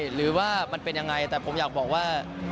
หรือว่ามันเป็นยังไงแต่ผมอยากบอกว่า